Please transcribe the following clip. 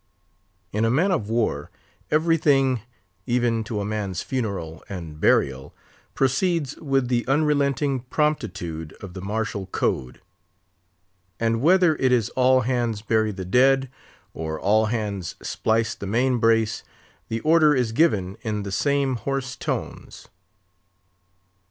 _" In a man of war, every thing, even to a man's funeral and burial, proceeds with the unrelenting promptitude of the martial code. And whether it is all hands bury the dead! or all hands splice the main brace, the order is given in the same hoarse tones.